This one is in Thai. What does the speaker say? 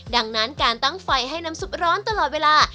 ดังนั้นการตั้งไฟให้น้ำซุปร้อนตลอดเวลา